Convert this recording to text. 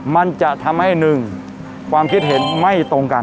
มันจะทำให้หนึ่งความคิดเห็นไม่ตรงกัน